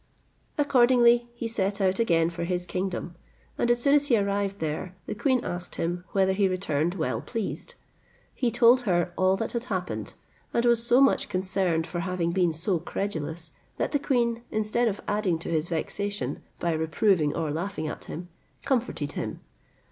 Accordingly, he set out again for his kingdom, and as soon as he arrived there, the queen asked him, whether he returned well pleased? He told her all that had happened, and was so much concerned for having been so credulous, that the queen, instead of adding to his vexation, by reproving or laughing at him, comforted him.